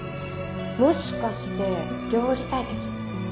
もしかして料理対決？